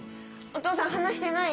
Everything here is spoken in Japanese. お父さん離してない？